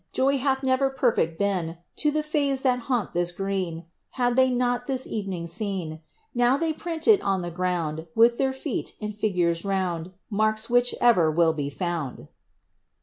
Joy hath never perfect beea To the fays that haunt this green, Had they not this erening seen. Now they print it on ^e groond, With their feet, in figures round, Marks wliich ever will bo found."